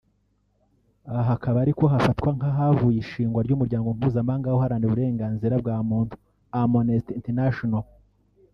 aha hakaba ariho hafatwa nk’ahavuye ishingwa ry’umuryango mpuzamahanga uharanira uburenganzira bwa muntu Amnesty International